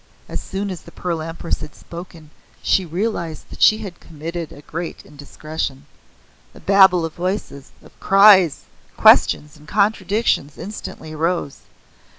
As soon as the Pearl Empress had spoken she realized that she had committed a great indiscretion. A babel of voices, of cries, questions and contradictions instantly arose.